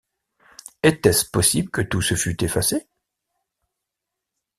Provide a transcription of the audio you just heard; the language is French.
Était-ce possible que tout se fût effacé!